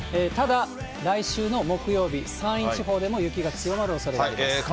ただ、来週の木曜日、山陰地方でも雪が強まるおそれがあります。